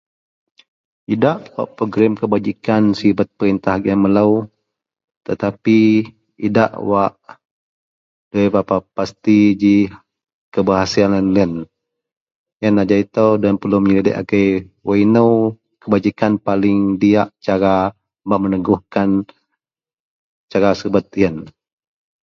. Idak kawak perogerem kebajikan sibet peritah gian melou tetapi idak wak ndabei berapa pasti ji keberhasilan yen. Yen ajau itou loyen perelu menyelidik agei inou kebajikan paling diyak cara bak meneguhkan cara subet yen.